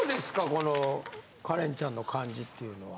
このカレンちゃんの感じっていうのは？